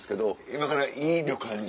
今からいい旅館に。